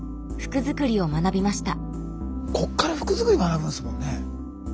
こっから服作り学ぶんですもんね。